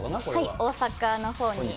大阪のほうに。